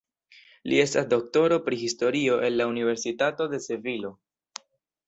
Li estas doktoro pri Historio el la Universitato de Sevilo.